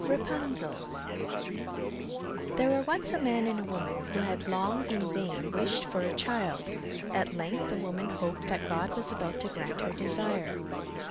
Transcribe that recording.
RAPUNZEL There were once a man and a woman who had long in vain wished for a child. At length the woman hoped that God was about to grant her desire.